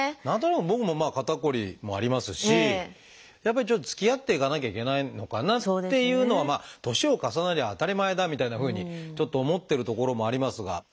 何となく僕も肩こりもありますしやっぱりちょっとつきあっていかなきゃいけないのかなっていうのは年を重ねりゃ当たり前だみたいなふうにちょっと思ってるところもありますが。